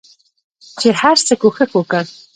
چې هرڅه کوښښ وکړ